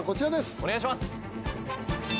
お願いします